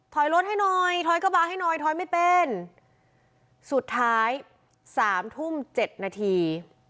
ถอยรถให้หน่อยถอยกระบะให้หน่อยถอยไม่เป็นสุดท้ายสามทุ่มเจ็ดนาที